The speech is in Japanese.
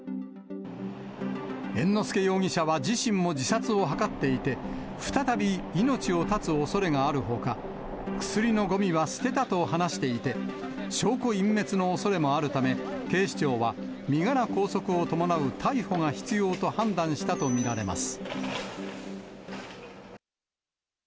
猿之助容疑者は自身も自殺を図っていて、再び命を絶つおそれがあるほか、薬のごみは捨てたと話していて、証拠隠滅のおそれもあるため、警視庁は身柄拘束を伴う逮捕が必要と判断したと見られます。